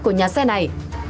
của nhà xe này